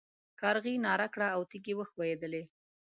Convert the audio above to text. کارغې ناره کړه او تيږې وښوېدلې.